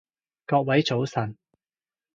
各位早晨